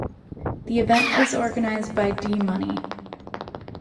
The event is organized by D-Money.